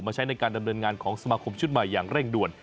ใช้ในการดำเนินงานของสมาคมชุดใหม่อย่างเร่งด่วน